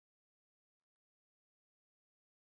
Berapa banyak raket yang kau miliki?